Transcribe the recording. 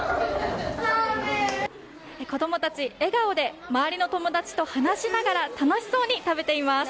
子供たち笑顔で周りの友達と話しながら楽しそうに食べています。